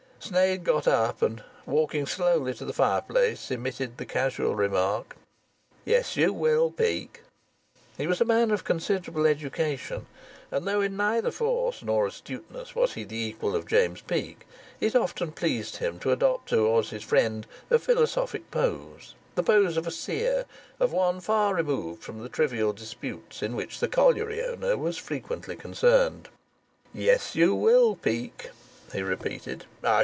Sneyd got up, and walking slowly to the fireplace emitted the casual remark: "Yes, you will, Peake." He was a man of considerable education, and though in neither force nor astuteness was he the equal of James Peake, it often pleased him to adopt towards his friend a philosophic pose the pose of a seer, of one far removed from the trivial disputes in which the colliery owner was frequently concerned. "Yes, you will, Peake," he repeated.